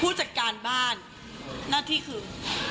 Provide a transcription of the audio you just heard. ผู้จัดการบ้านหน้าที่คือ